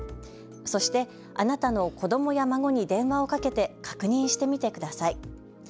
そして、あなたの子どもや孫に電話をかけて確認してみてください。